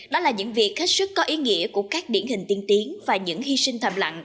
đó là những việc hết sức có ý nghĩa của các điển hình tiên tiến và những hy sinh thầm lặng